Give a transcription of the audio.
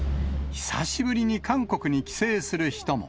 久しぶりに韓国に帰省する人も。